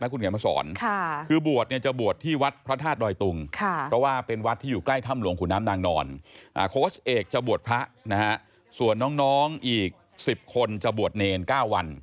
โคชเอกจะบวชพระส่วนน้องอีก๑๐คนจะบวชเนร๙วัน